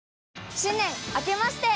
新年あけまして。